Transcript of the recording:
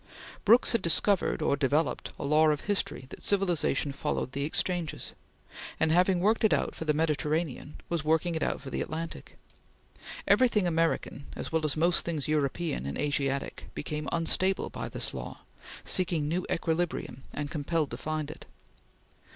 Brooks had discovered or developed a law of history that civilization followed the exchanges, and having worked it out for the Mediterranean was working it out for the Atlantic. Everything American, as well as most things European and Asiatic, became unstable by this law, seeking new equilibrium and compelled to find it.